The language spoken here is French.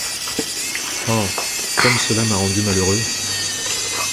Oh ! comme cela m’a rendu malheureux !